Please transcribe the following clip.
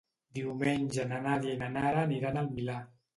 Diumenge na Nàdia i na Nara aniran al Milà.